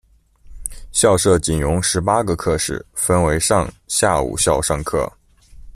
校舍仅容十八个课室，分为上、下午校上课。